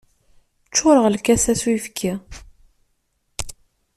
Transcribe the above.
Ččureɣ lkas-a s uyefki.